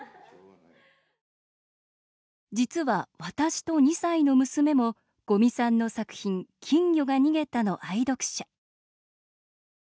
実は私と２歳の娘も五味さんの作品「きんぎょがにげた」の愛読者